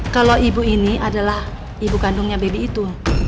kalau ibu ini adalah ibu kandungnya baby itu